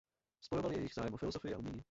Spojoval je jejich zájem o filozofii a umění.